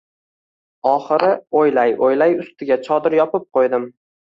Oxiri o‘ylay-o‘ylay, ustiga chodir yopib qo‘ydim.